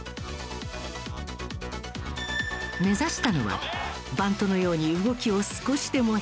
目指したのはバントのように動きを少しでも減らし